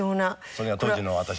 これが当時の私の。